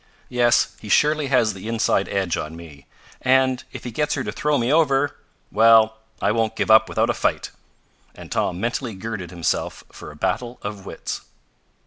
Yes, he surely has the inside edge on me, and if he gets her to throw me over Well, I won't give up without a fight!" and Tom mentally girded himself for a battle of wits.